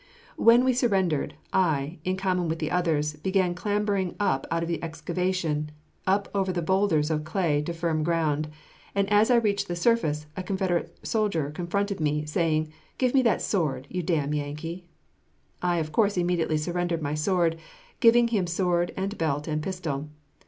When we surrendered, I, in common with others, began clambering out of the excavation, up over the boulders of clay to firm ground, and as I reached the surface, a Confederate soldier confronted me, saying, "Give me that sword, you damn Yankee!" I of course immediately surrendered my sword, giving him sword and belt and pistol.